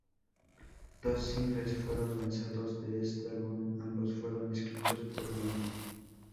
Dos singles fueron lanzados de este álbum; ambos fueron escritos por Bono.